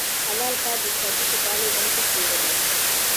حلال کار د اقتصادي سوکالۍ بنسټ جوړوي.